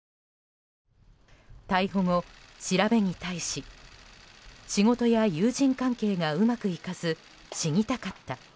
逮捕後、調べに対し仕事や友人関係がうまくいかず死にたかった。